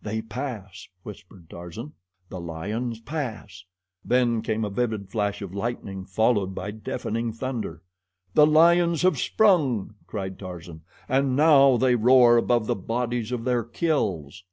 "They pass!" whispered Tarzan. "The lions pass." Then came a vivid flash of lightning, followed by deafening thunder. "The lions have sprung," cried Tarzan, "and now they roar above the bodies of their kills."